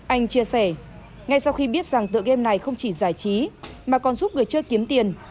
anh chia sẻ ngay sau khi biết rằng tựa game này không chỉ giải trí mà còn giúp người chơi kiếm tiền